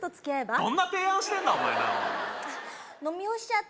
どんな提案してんだお前なおいあっ